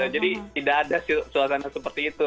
jadi tidak ada sholatannya seperti itu